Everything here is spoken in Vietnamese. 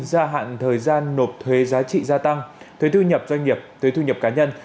gia hạn thời gian nộp thuế giá trị gia tăng thuế thu nhập doanh nghiệp thuế thu nhập cá nhân